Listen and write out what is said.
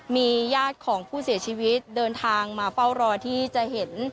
มีญาติของผู้เสียชีวิตเดินทางมาเฝ้ารอที่จะเห็น